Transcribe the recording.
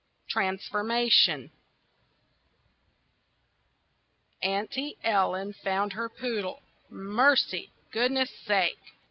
TRANSFORMATION Auntie Ellen found her poodle Mercy! Goodness sake!